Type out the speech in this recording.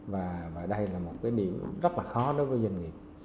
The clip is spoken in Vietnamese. và đây là một cái điểm rất là khó đối với doanh nghiệp